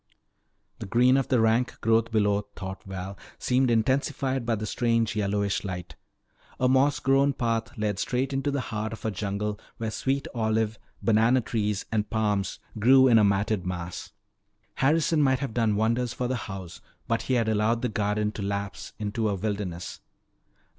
The green of the rank growth below, thought Val, seemed intensified by the strange yellowish light. A moss grown path led straight into the heart of a jungle where sweet olive, banana trees, and palms grew in a matted mass. Harrison might have done wonders for the house but he had allowed the garden to lapse into a wilderness.